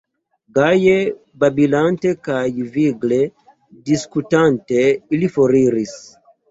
Gaje babilante kaj vigle diskutante, ili foriris.